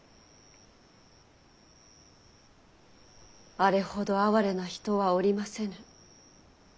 あれほど哀れな人はおりませぬ。